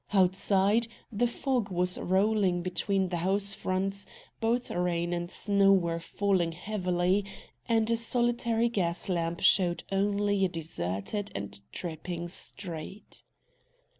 Outside, the fog was rolling between the house fronts, both rain and snow were falling heavily, and a solitary gas lamp showed only a deserted and dripping street.